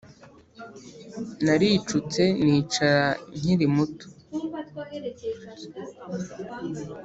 Naricutse nicara nkiri muto